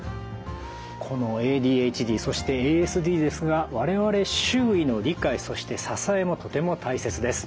このＡＤＨＤそしてＡＳＤですが我々周囲の理解そして支えもとても大切です。